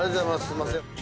すんません。